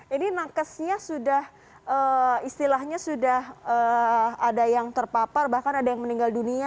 ini nakesnya sudah istilahnya sudah ada yang terpapar bahkan ada yang meninggal dunia